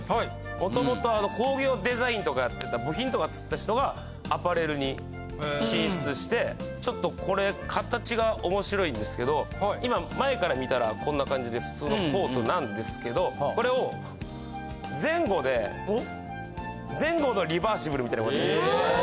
もともと工業デザインとかやってた部品とか作ってた人がアパレルに進出してちょっとこれ形がおもしろいんですけど今前から見たらこんな感じで普通のコートなんですけどこれを前後で前後のリバーシブルみたいなのができるんですよ。